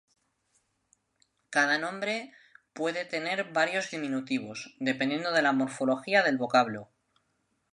Cada nombre puede tener varios diminutivos, dependiendo de la morfología del vocablo.